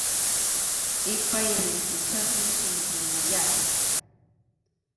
Ipay, ripusaqmi sumaqllañayá